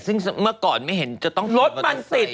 ซึ่งเมื่อก่อนไม่เห็นจะต้องขี่มอเตอร์ไซค์เลย